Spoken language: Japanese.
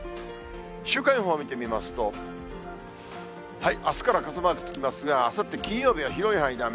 週間予報を見てみますと、あすから傘マークつきますが、あさって金曜日は広い範囲で雨。